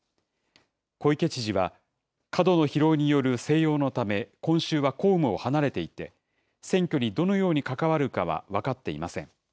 小池知事は、過度の疲労による静養のため、今週は公務を離れていて、選挙にどのように関わるかは分かっていません。